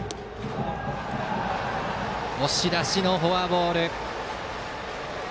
押し出しのフォアボール。